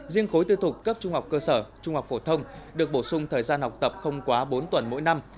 riêng khối tư thục cấp trung học cơ sở trung học phổ thông được bổ sung thời gian học tập không quá bốn tuần mỗi năm